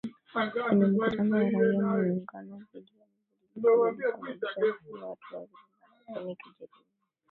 Kwenye mkutano wa raia muungano dhidi ya mabadiliko zilisababisha vifo vya watu wawili na darzeni kujeruhiwa